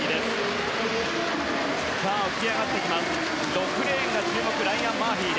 ６レーンが注目のライアン・マーフィー。